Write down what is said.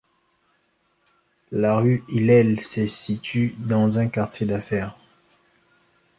La rue Hillel se situe dans un quartier d'affaires.